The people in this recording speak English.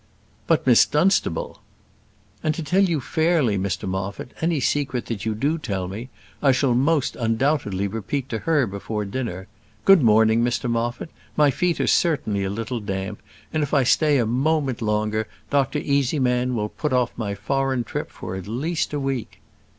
"But, Miss Dunstable " "And to tell you fairly, Mr Moffat, any secret that you do tell me, I shall most undoubtedly repeat to her before dinner. Good morning, Mr Moffat; my feet are certainly a little damp, and if I stay a moment longer, Dr Easyman will put off my foreign trip for at least a week."